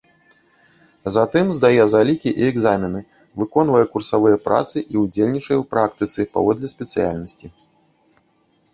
Затым здае залікі і экзамены, выконвае курсавыя працы і ўдзельнічае ў практыцы паводле спецыяльнасці.